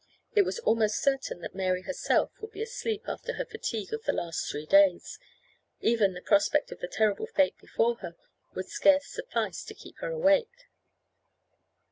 It was almost certain that Mary herself would be asleep after her fatigue of the last three days; even the prospect of the terrible fate before her would scarce suffice to keep her awake.